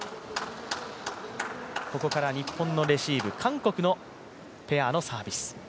ここから日本のレシーブ韓国のペアのサービス。